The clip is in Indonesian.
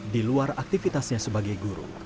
di luar aktivitasnya sebagai guru